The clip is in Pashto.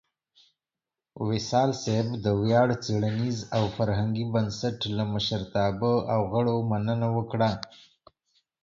وصال صېب د ویاړ څیړنیز او فرهنګي بنسټ لۀ مشرتابۀ او غړو مننه وکړه